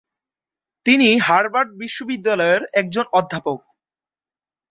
তিনি হার্ভার্ড বিশ্ববিদ্যালয়ের একজন অধ্যাপক।